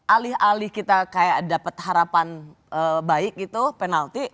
alih alih kita kayak dapat harapan baik gitu penalti